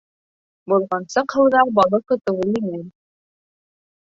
Болғансыҡ һыуҙа балыҡ тотоуы еңел.